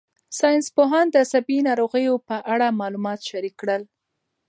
ساینسپوهان د عصبي ناروغیو په اړه معلومات شریک کړل.